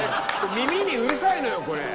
耳にうるさいのよこれ。